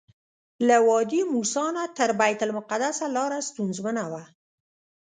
له وادي موسی نه تر بیت المقدسه لاره ستونزمنه وه.